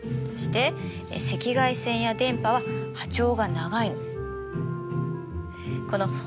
そして赤外線や電波は波長が長いの。